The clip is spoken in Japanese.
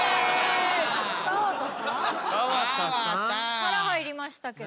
殻入りましたけど。